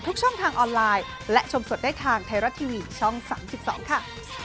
ทุกช่องทางออนไลน์และชมสดได้ทางไทยรัฐทีวีช่อง๓๒ค่ะ